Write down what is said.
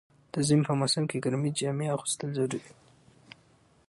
د ژمی موسم کی ګرمی جامی اغوستل ضروري ده.